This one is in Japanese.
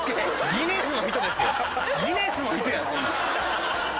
ギネスの人やそんなん。